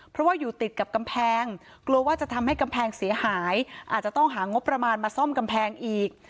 เพราะว่าอยู่ติดกับกำแพงกลัวว่าจะทำให้กำแพงเสียหายอาจจะต้องหางบประมาณมาซ่อมกำแพงอีก